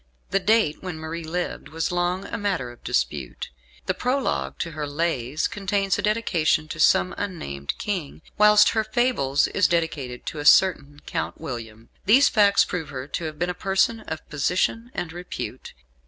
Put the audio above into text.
The date when Marie lived was long a matter of dispute. The Prologue to her "Lays" contains a dedication to some unnamed King; whilst her "Fables" is dedicated to a certain Count William. These facts prove her to have been a person of position and repute.